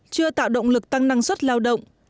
chưa tạo động lực tăng năng suất lao động